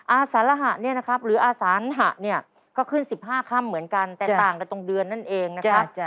อาสารหะเนี่ยนะครับหรืออาสานหะเนี่ยก็ขึ้น๑๕ค่ำเหมือนกันแต่ต่างกันตรงเดือนนั่นเองนะคะ